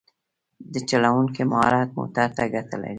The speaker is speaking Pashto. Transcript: د چلوونکي مهارت موټر ته ګټه لري.